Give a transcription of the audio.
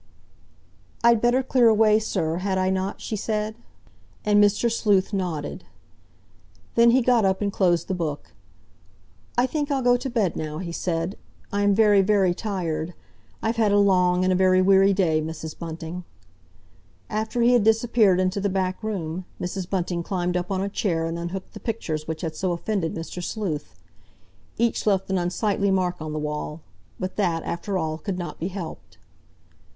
"I'd better clear away, sir, had I not?" she said. And Mr. Sleuth nodded. Then he got up and closed the Book. "I think I'll go to bed now," he said. "I am very, very tired. I've had a long and a very weary day, Mrs. Bunting." After he had disappeared into the back room, Mrs. Bunting climbed up on a chair and unhooked the pictures which had so offended Mr. Sleuth. Each left an unsightly mark on the wall—but that, after all, could not be helped.